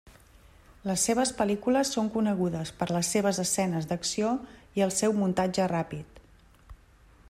Les seves pel·lícules són conegudes per les seves escenes d'acció i el seu muntatge ràpid.